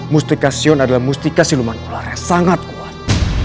mustikasyon adalah mustika silman ular yang sangat kuat